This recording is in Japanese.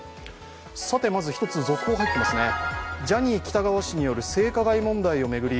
まず１つ、続報が入っていますね、ジャニー喜多川氏による性加害問題を巡り